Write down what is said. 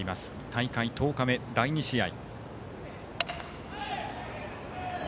大会１０日目、第２試合。